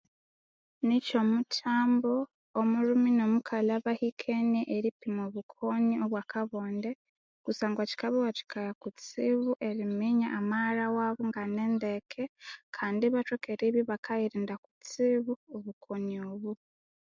Nikyomuthambo omulhume nomukali abahikenye eripima obukoni obwakabonde kusangwa kikabawatikaya kutsibu eriminya amaghalha wabo nganendeke Kandi ibatoka eribya ibakayirinda kutsibu obukoni obo